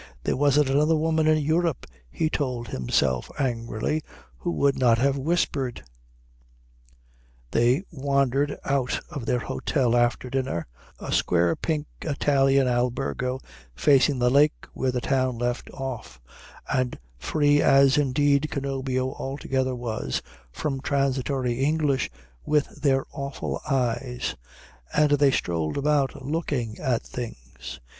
There wasn't another woman in Europe, he told himself angrily, who would not have whispered. They wandered out of their hôtel after dinner, a square pink Italian albergo facing the lake where the town left off, and free, as indeed Cannobio altogether was, from transitory English with their awful eyes, and they strolled about looking at things.